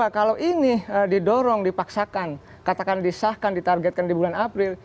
karena kalau ini didorong dipaksakan katakan disahkan ditargetkan di bulan april